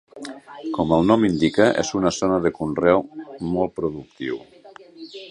Com el nom indica, és una zona de conreu molt productiu.